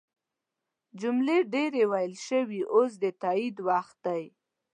جملې ډیرې ویل شوي اوس د تایید وخت دی.